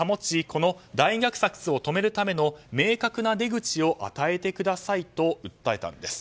この大虐殺を止めるための明確な出口を与えてくださいと訴えたんです。